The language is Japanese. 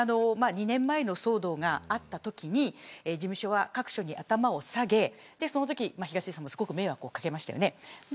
２年前の騒動があったときに事務所は各所に頭を下げそのとき東出さんもすごく迷惑を掛けましたよね